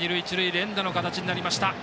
連打の形になりました。